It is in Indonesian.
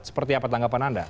seperti apa tanggapan anda